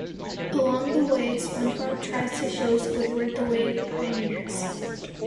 Along the way, SpongeBob tries to show Squidward the way of the pioneers.